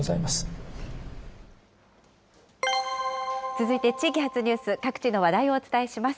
続いて地域発ニュース、各地の話題をお伝えします。